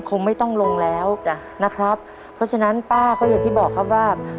คงไม่ต้องลงแล้วจ้ะนะครับเพราะฉะนั้นป้าก็อย่างที่บอกครับว่า